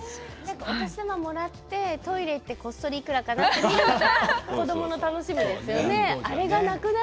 お年玉をもらってトイレに行ってこっそりいくらかなって見るのが子どもの楽しみですよね。